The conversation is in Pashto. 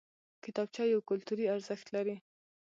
کتابچه یو کلتوري ارزښت لري